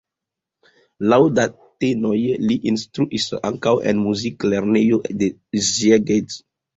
Laŭ datenoj li instruis ankaŭ en muziklernejo de Szeged.